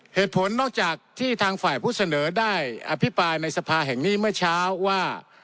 เหตุผลนอกจากที่ทางฝ่ายผู้เสนอได้อภิปรายในสภาแห่งนี้เมื่อเช้าว่า